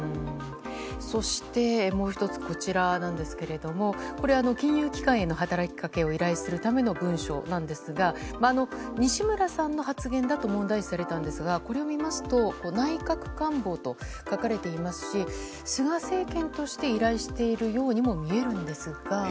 そして、もう１つ金融機関への働きかけを依頼するための文書なんですが西村さんの発言だと問題視されたんですがこれを見ますと内閣官房と書かれていますし菅政権として依頼しているようにも見えるんですが。